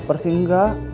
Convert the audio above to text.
laper sih enggak